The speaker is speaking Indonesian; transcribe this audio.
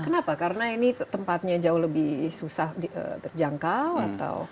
kenapa karena ini tempatnya jauh lebih susah terjangkau atau